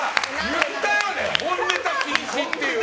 言ったよね、本ネタ禁止って。